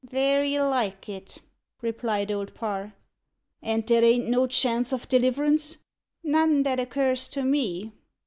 "Very like it," replied Old Parr. "And there ain't no chance o' deliverance?" "None that occurs to me."